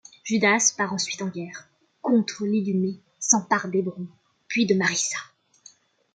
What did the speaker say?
Judas part ensuite en guerre contre l’Idumée, s’empare d’Hébron, puis de Marissa.